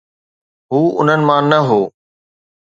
هو انهن مان نه هو.